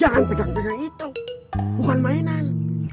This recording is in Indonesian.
jangan pegang pegang itu bukan mainan